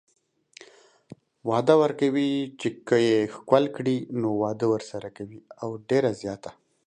وعده ورکوي چې که يې ښکل کړي نو واده ورسره کوي او ډيره زياته